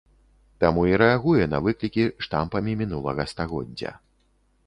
Таму і рэагуе на выклікі штампамі мінулага стагоддзя.